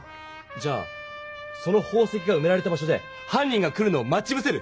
じゃあその宝石がうめられた場所ではん人が来るのを待ちぶせる！